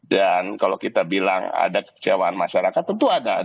dan kalau kita bilang ada kekecewaan masyarakat tentu ada